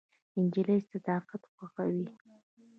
نجلۍ صداقت خوښوي.